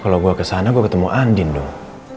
kalau gue kesana gue ketemu andin dong